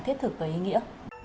thiết thực và ý nghĩa